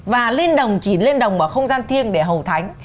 và lên đồng chỉ lên đồng ở không gian thiêng để hầu thánh